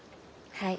はい。